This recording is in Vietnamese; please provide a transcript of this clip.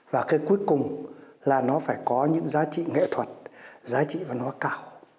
và cái cuối cùng là nó phải có những giá trị nghệ thuật giá trị văn hóa cao